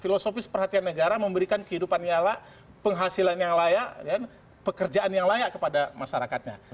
filosofis perhatian negara memberikan kehidupan nyala penghasilan yang layak pekerjaan yang layak kepada masyarakatnya